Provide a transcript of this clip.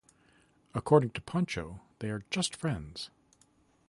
According to Poncho, they are "just friends".